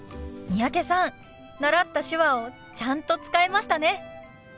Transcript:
三宅さん習った手話をちゃんと使えましたね。